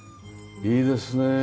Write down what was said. いいですね。